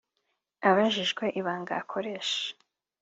Abajijwe ibanga akoresha